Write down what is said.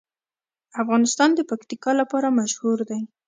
افغانستان د پکتیکا لپاره مشهور دی.